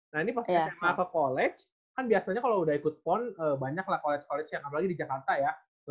nah ini pas sma ke college kan biasanya kalau udah ikut pon banyak lah college college yang apalagi di jakarta ya